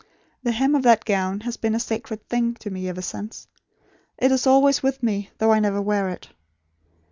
The hem of that gown has been a sacred thing to me, ever since. It is always with me, though I never wear it.